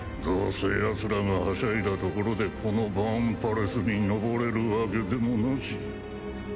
どうせヤツらがはしゃいだところでこのバーンパレスに登れるわけでもなし。